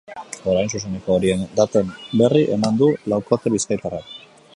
Orain, zuzeneko horien daten berri eman du laukote bizkaitarrak.